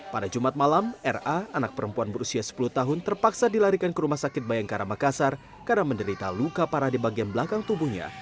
pada jumat malam ra anak perempuan berusia sepuluh tahun terpaksa dilarikan ke rumah sakit bayangkara makassar karena menderita luka parah di bagian belakang tubuhnya